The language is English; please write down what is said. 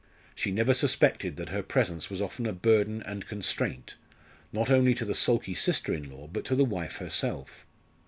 She never suspected that her presence was often a burden and constraint, not only to the sulky sister in law but to the wife herself.